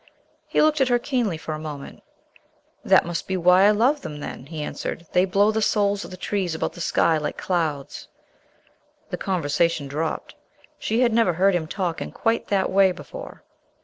He looked at her keenly for a moment. "That must be why I love them then," he answered. "They blow the souls of the trees about the sky like clouds." The conversation dropped. She had never heard him talk in quite that way before.